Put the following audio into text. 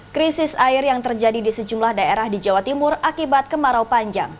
krisis air yang terjadi di sejumlah daerah di jawa timur akibat kemarau panjang